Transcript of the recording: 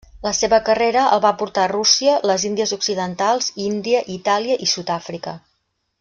La seva carrera el va portar a Rússia, les Índies Occidentals, Índia, Itàlia i Sud-àfrica.